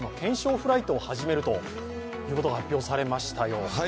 フライトを始めると発表されましたよ。